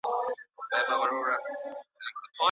لوی فرصت یوازي په استعداد پوري نه سي تړل کېدلای.